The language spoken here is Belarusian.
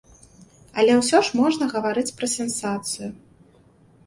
Але ўсё ж можна гаварыць пра сенсацыю.